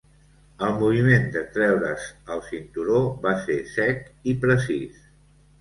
El moviment de treure's el cinturó va ser sec i precís.